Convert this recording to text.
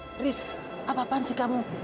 terus apa apaan sih kamu